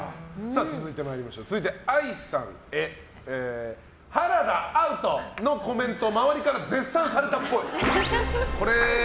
続いて、愛さんへ「原田、アウト！」のコメント周りから絶賛されたっぽい。